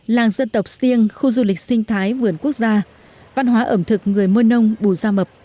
làng dân tộc siêng khu du lịch sinh thái vườn quốc gia văn hóa ẩm thực người mơ nông bù gia mập